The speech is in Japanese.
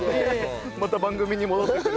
また番組に戻ってくる。